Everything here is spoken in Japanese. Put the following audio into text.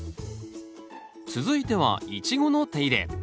続いてはイチゴの手入れ。